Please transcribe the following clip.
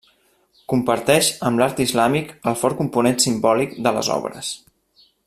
Comparteix amb l'art islàmic el fort component simbòlic de les obres.